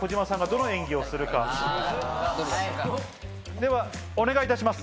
ではお願いいたします。